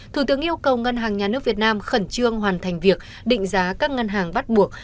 thủ tướng yêu cầu ngân hàng nhà nước việt nam khẩn trương hoàn thành việc định giá các ngân hàng bắt buộc